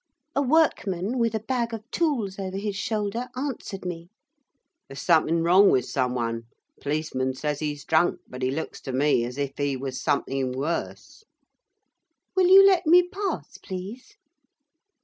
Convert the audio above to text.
A workman, with a bag of tools over his shoulder, answered me. 'There's something wrong with someone. Policeman says he's drunk, but he looks to me as if he was something worse.' 'Will you let me pass, please?